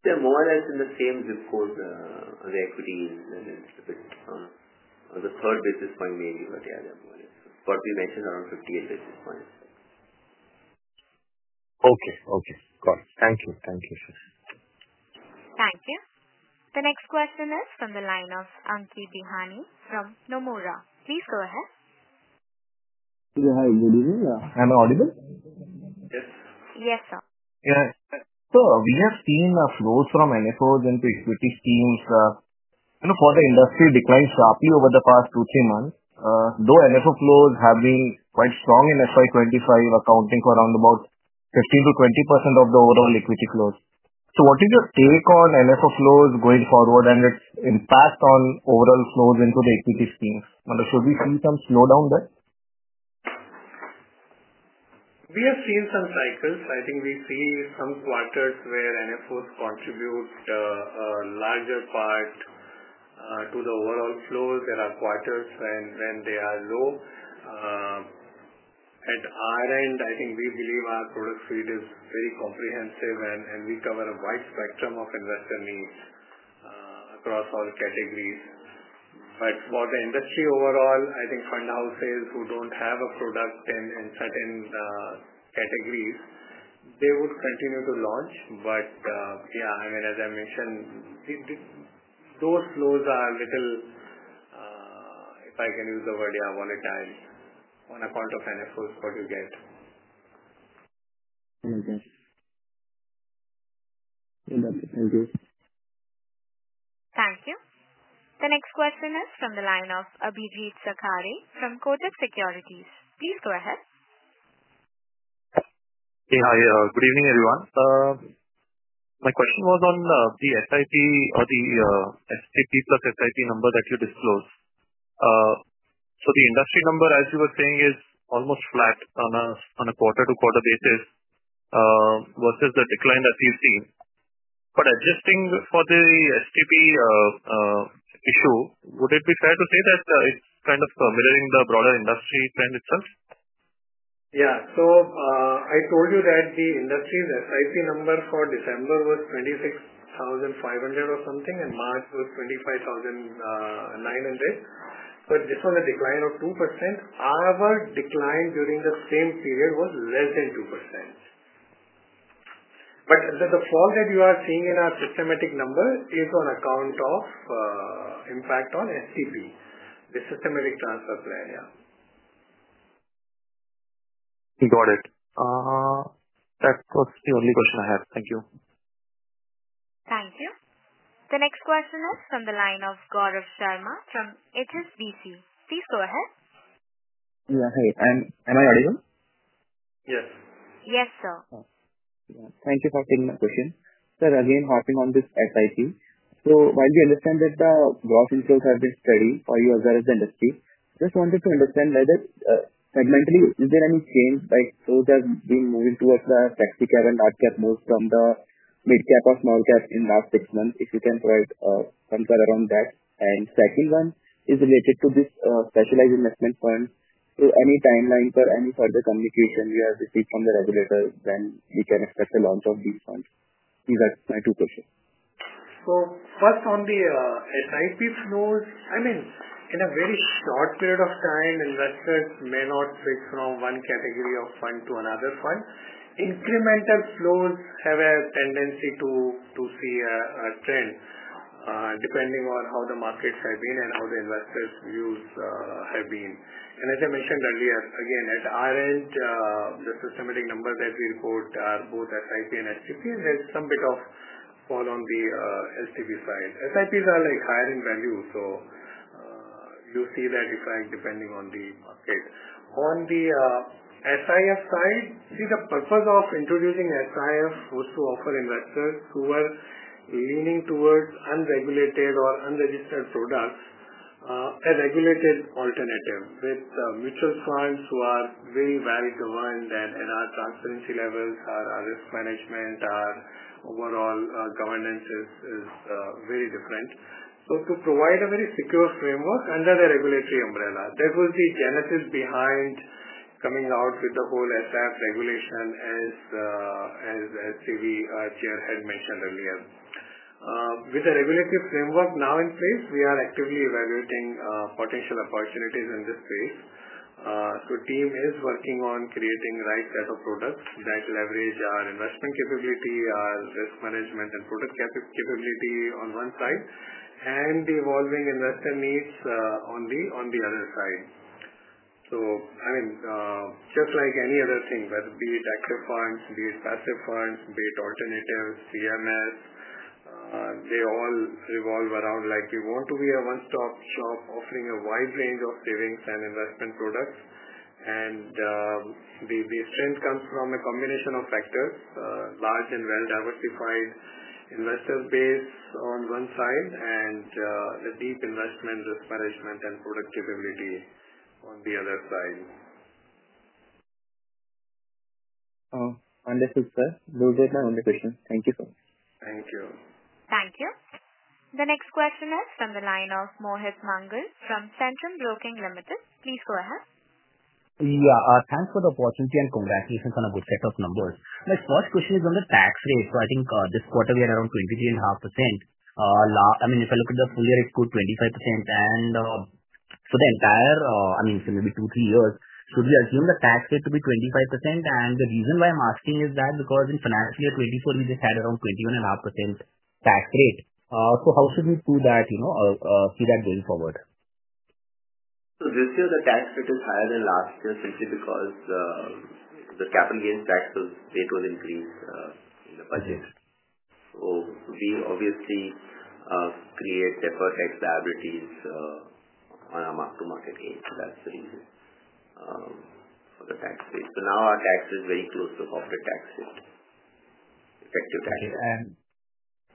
They're more or less in the same zip code of the equities. It's a bit on the third basis point maybe, but yeah, they're more or less. We mentioned around 58 basis points. Okay. Okay. Got it. Thank you. Thank you, sir. Thank you. The next question is from the line of Ankit Bihani from Nomura. Please go ahead. Hi. Good evening. Am I audible? Yes. Yes, sir. Yeah. We have seen a flow from NFOs into equity schemes for the industry decline sharply over the past two, three months, though NFO flows have been quite strong in FY 2025, accounting for around 15%-20% of the overall equity flows. What is your take on NFO flows going forward and its impact on overall flows into the equity schemes? Should we see some slowdown there? We have seen some cycles. I think we see some quarters where NFOs contribute a larger part to the overall flows. There are quarters when they are low. At our end, I think we believe our product suite is very comprehensive, and we cover a wide spectrum of investor needs across all categories. For the industry overall, I think fund houses who do not have a product in certain categories, they would continue to launch. I mean, as I mentioned, those flows are a little, if I can use the word, yeah, volatile on account of NFOs, what you get. Understood. Thank you. Thank you. The next question is from the line of Abhijeet Sakhare from Kotak Securities. Please go ahead. Hey, hi. Good evening, everyone. My question was on the SIP or the STP plus SIP number that you disclosed. The industry number, as you were saying, is almost flat on a quarter-to-quarter basis versus the decline that we've seen. Adjusting for the STP issue, would it be fair to say that it's kind of mirroring the broader industry trend itself? Yeah. I told you that the industry's SIP number for December was 26,500 or something, and March was 25,900. This was a decline of 2%. Our decline during the same period was less than 2%. The fall that you are seeing in our systematic number is on account of impact on STP, the systematic transfer plan, yeah. Got it. That was the only question I have. Thank you. Thank you. The next question is from the line of Gaurav Sharma from HSBC. Please go ahead. Yeah. Hi. Am I audible? Yes. Yes, sir. Thank you for taking my question. Sir, again, harping on this SIP. While we understand that the gross inflows have been steady for you as well as the industry, just wanted to understand whether segmentally, is there any change? There has been moving towards the Flexi Cap and Large Cap moves from the Mid Cap or Small Cap in the last six months, if you can provide some clarity around that. The second one is related to this Specialized Investment Fund. Any timeline for any further communication we have received from the regulator, when we can expect the launch of these funds? These are my two questions. First, on the SIP flows, I mean, in a very short period of time, investors may not switch from one category of fund to another fund. Incremental flows have a tendency to see a trend depending on how the markets have been and how the investors' views have been. As I mentioned earlier, again, at our end, the systematic number that we report are both SIP and STP, and there's some bit of fall on the STP side. SIPs are higher in value, so you see that effect depending on the market. On the SIF side, see, the purpose of introducing SIF was to offer investors who were leaning towards unregulated or unregistered products a regulated alternative with mutual funds who are very well-governed, and our transparency levels, our risk management, our overall governance is very different. To provide a very secure framework under the regulatory umbrella. That was the genesis behind coming out with the whole SIF regulation, as SEBI chair had mentioned earlier. With the regulatory framework now in place, we are actively evaluating potential opportunities in this space. The team is working on creating the right set of products that leverage our investment capability, our risk management, and product capability on one side, and the evolving investor needs on the other side. I mean, just like any other thing, whether be it active funds, be it passive funds, be it alternatives, PMS, they all revolve around we want to be a one-stop shop offering a wide range of savings and investment products. The strength comes from a combination of factors: large and well-diversified investor base on one side, and the deep investment, risk management, and product capability on the other side. Understood, sir. That was my only question. Thank you so much. Thank you. Thank you. The next question is from the line of Mohit Mangal from Centrum Broking Limited. Please go ahead. Yeah. Thanks for the opportunity and congratulations on a good set of numbers. My first question is on the tax rate. I think this quarter we had around 23.5%. I mean, if I look at the full year, it's good, 25%. For the entire, I mean, maybe two, three years, should we assume the tax rate to be 25%? The reason why I'm asking is that because in financial year 2024, we just had around 21.5% tax rate. How should we do that, see that going forward? This year, the tax rate is higher than last year simply because the capital gains tax rate was increased in the budget. We obviously create deferred tax liabilities on our mark-to-market gain. That is the reason for the tax rate. Now our tax is very close to the corporate tax rate, effective tax rate.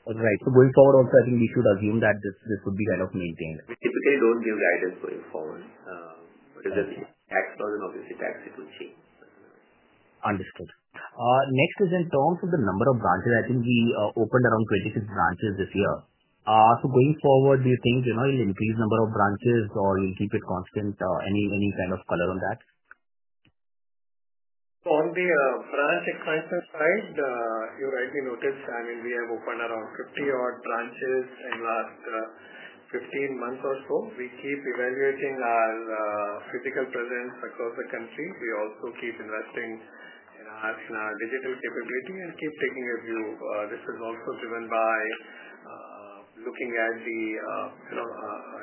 Okay. All right. Going forward also, I think we should assume that this would be kind of maintained. We typically do not give guidance going forward. As a tax person, obviously, tax rate will change. Understood. Next is in terms of the number of branches. I think we opened around 26 branches this year. Going forward, do you think you'll increase the number of branches or you'll keep it constant? Any kind of color on that? On the branch expansion side, you rightly noted, I mean, we have opened around 50-odd branches in the last 15 months or so. We keep evaluating our physical presence across the country. We also keep investing in our digital capability and keep taking a view. This is also driven by looking at the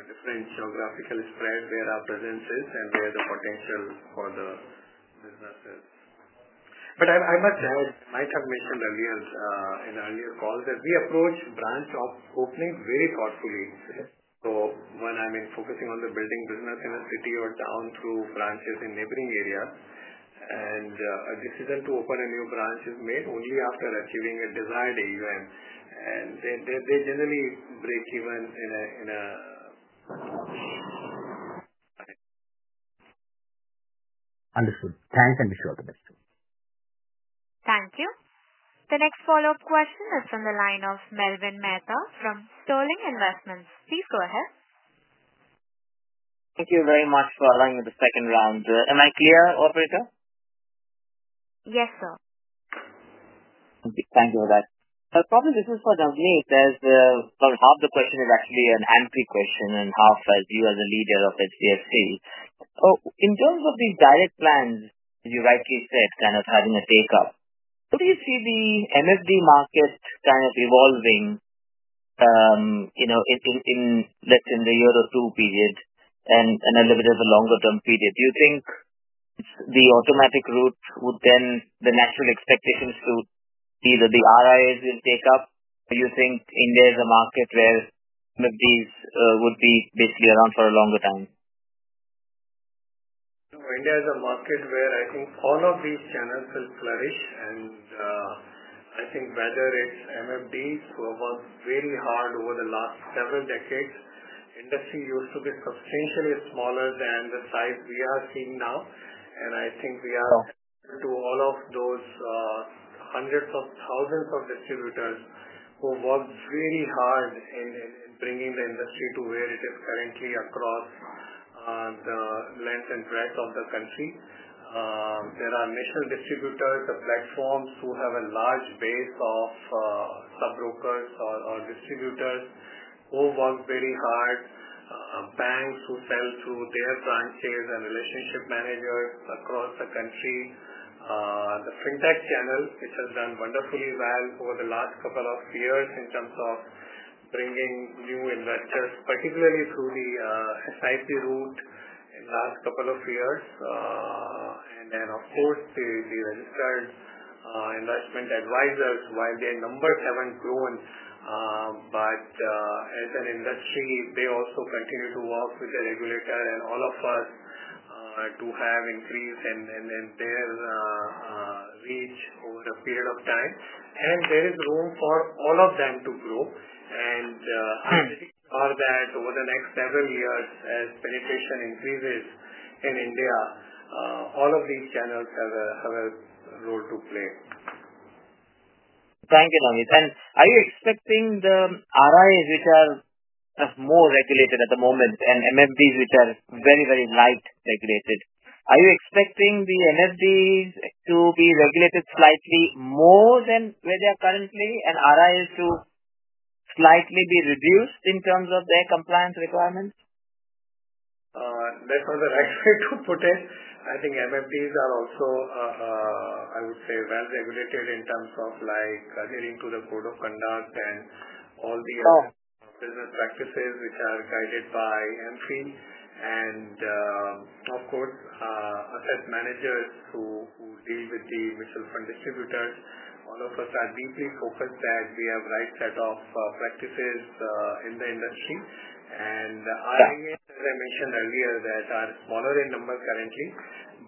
different geographical spread where our presence is and where the potential for the business is. I must add, I might have mentioned earlier in earlier calls that we approach branch opening very thoughtfully. When I'm focusing on building business in a city or town through branches in neighboring areas, a decision to open a new branch is made only after achieving a desired AUM. They generally break even in a. Understood. Thanks, and wish you all the best. Thank you. The next follow-up question is from the line of Melwin Mehta from Sterling Investments. Please go ahead. Thank you very much for allowing me the second round. Am I clear, operator? Yes, sir. Thank you for that. Probably this is for Navneet. About half the question is actually an AMFI question and half as you as a leader of HDFC. In terms of these direct plans, as you rightly said, kind of having a take-up, how do you see the MFD market kind of evolving in, let's say, in the year or two period and a little bit of a longer-term period? Do you think the automatic route would then the natural expectation is to either the RIAs will take up, or do you think India is a market where MFDs would be basically around for a longer time? India is a market where I think all of these channels will flourish. I think whether it's MFDs who have worked very hard over the last several decades, the industry used to be substantially smaller than the size we are seeing now. I think we have to credit all of those hundreds of thousands of distributors who worked very hard in bringing the industry to where it is currently across the length and breadth of the country. There are national distributors, the platforms who have a large base of sub-brokers or distributors who worked very hard, banks who sell through their branches and relationship managers across the country, the fintech channel, which has done wonderfully well over the last couple of years in terms of bringing new investors, particularly through the SIP route in the last couple of years. Of course, the registered investment advisors, while their numbers have not grown, but as an industry, they also continue to work with the regulator and all of us to have increased in their reach over a period of time. There is room for all of them to grow. I am ready for that over the next several years as penetration increases in India, all of these channels have a role to play. Thank you, Navneet. Are you expecting the RIAs, which are more regulated at the moment, and MFDs, which are very, very light regulated, are you expecting the MFDs to be regulated slightly more than where they are currently and RIAs to slightly be reduced in terms of their compliance requirements? That was the right way to put it. I think MFDs are also, I would say, well regulated in terms of adhering to the code of conduct and all the business practices which are guided by AMFI. Of course, asset managers who deal with the mutual fund distributors, all of us are deeply focused that we have the right set of practices in the industry. As I mentioned earlier, they are smaller in number currently,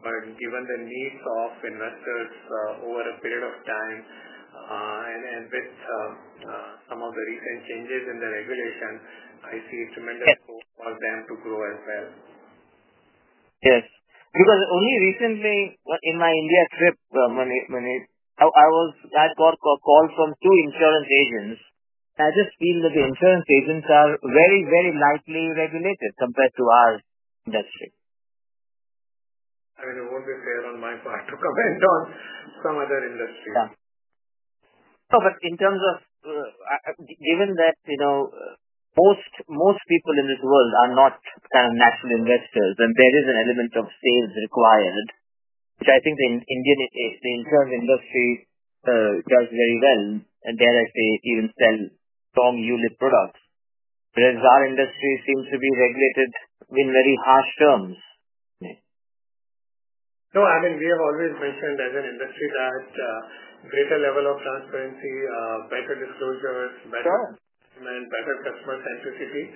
but given the needs of investors over a period of time and with some of the recent changes in the regulation, I see a tremendous scope for them to grow as well. Yes. Because only recently, in my India trip, I got a call from two insurance agents. I just feel that the insurance agents are very, very lightly regulated compared to our industry. I mean, I won't be fair on my part to comment on some other industry. Yeah. In terms of given that most people in this world are not kind of natural investors, and there is an element of sales required, which I think the insurance industry does very well. There, I say, even sell strong unit products. Whereas our industry seems to be regulated in very harsh terms. No, I mean, we have always mentioned as an industry that greater level of transparency, better disclosures, better customer centricity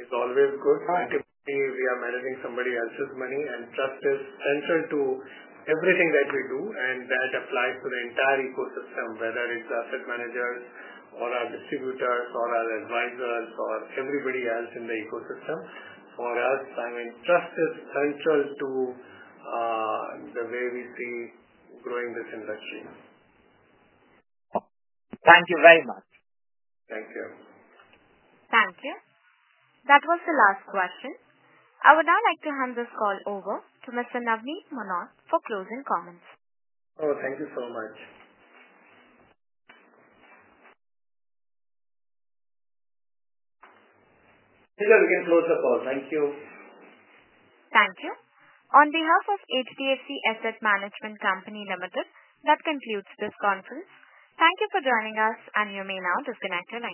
is always good. Typically, we are managing somebody else's money, and trust is central to everything that we do. That applies to the entire ecosystem, whether it's asset managers or our distributors or our advisors or everybody else in the ecosystem. For us, I mean, trust is central to the way we see growing this industry. Thank you very much. Thank you. Thank you. That was the last question. I would now like to hand this call over to Mr. Navneet Munot for closing comments. Oh, thank you so much. Thank you. We can close the call. Thank you. Thank you. On behalf of HDFC Asset Management Company Limited, that concludes this conference. Thank you for joining us, and you may now disconnect.